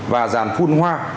và ràn phun hoa